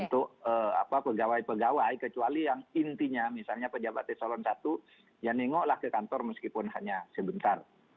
untuk pegawai pegawai kecuali yang intinya misalnya pejabat di salon satu yang nengok lah ke kantor meskipun hanya sebentar